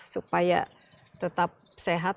supaya tetap sehat